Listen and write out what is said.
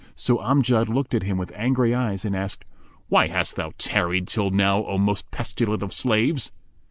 So Amjad looked at him with angry eyes and asked, "Why hast thou tarried till now, O most pestilent of slaves?"